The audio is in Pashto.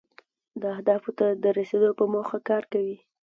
دا اهدافو ته د رسیدو په موخه کار کوي.